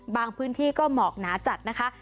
พื้นที่ก็หมอกหนาจัดนะคะ